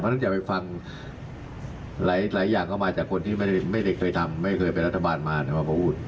เพราะฉะนั้นอย่าไปฟังหลายอย่างก็มาจากคนที่ไม่ได้เคยทำไม่เคยเป็นรัฐบาลมาก็พูด